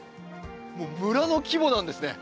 もう村の規模なんですね。